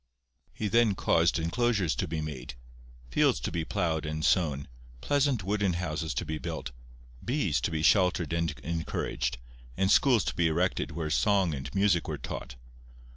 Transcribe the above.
He then caused enclosures to be made, fields to be ploughed and sown, pleasant wooden houses to be built, bees to be sheltered and encouraged, and schools to be erected where song and music were taught.